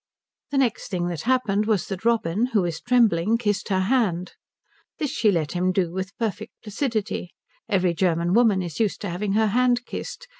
The next thing that happened was that Robin, who was trembling, kissed her hand. This she let him do with perfect placidity. Every German woman is used to having her hand kissed.